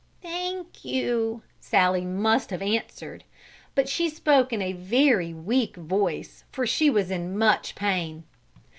"Thank you," Sallie must have answered, but she spoke in a very weak voice, for she was in much pain.